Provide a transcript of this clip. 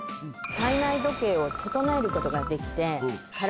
体内時計を整えることができて。